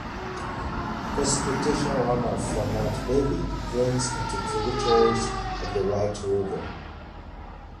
Precipitation runoff from Mount David drains into tributaries of the White River.